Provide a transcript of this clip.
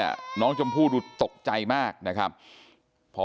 แม่น้องชมพู่แม่น้องชมพู่แม่น้องชมพู่